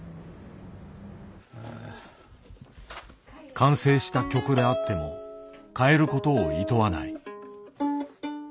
完成した曲であっても変えることをいとわない。